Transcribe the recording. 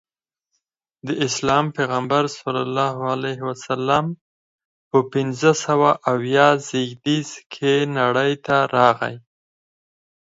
د اسلام پیغمبر ص په پنځه سوه اویا زیږدیز کې نړۍ ته راغی.